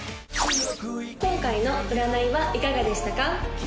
今回の占いはいかがでしたか？